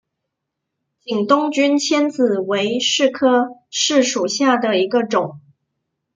景东君迁子为柿科柿属下的一个种。